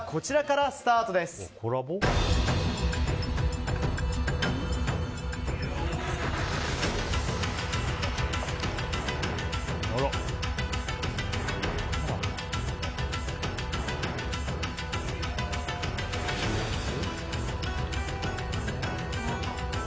まずはこちらからスタートです。